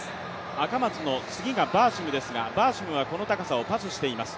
赤松の次がバーシムですが、バーシムはこの高さをパスしています。